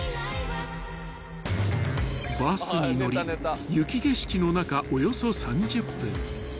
［バスに乗り雪景色の中およそ３０分］